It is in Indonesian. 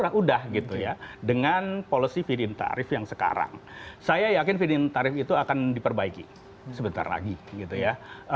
nah kalau dengan harga itu dengan policy feed in tarif yang sekarang saya yakin feed in tarif itu akan diperbaiki sebentar lagi gitu ya